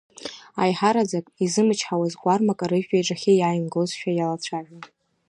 Аиҳараӡак изымычҳауаз кәармак арыжәтә иҿахьы иааимгозшәа иалацәажәон.